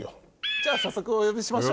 じゃあ早速お呼びしましょう。